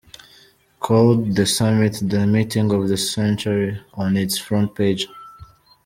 called the summit "the meeting of the century" on its front page.